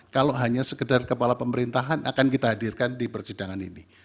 kalau hanya sekedar kepala pemerintahan akan kita hadirkan di persidangan ini